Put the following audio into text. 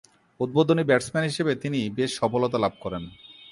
উদ্বোধনী ব্যাটসম্যান হিসেবে তিনি বেশ সফলতা লাভ করেন।